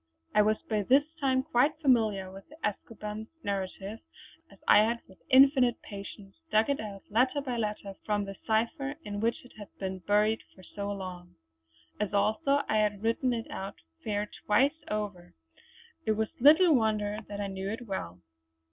I was by this time quite familiar with de Escoban's narrative, as I had with infinite patience dug it out letter by letter from the cipher in which it had been buried for so long. As also I had written it out fair twice over, it was little wonder that I knew it well.